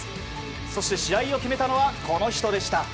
そして、試合を決めたのはこの人でした。